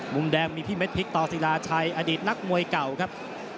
มุมแดงมีพี่เม็ดพริกต่อศิลาชัยอดีตนักมวยเก่าครับ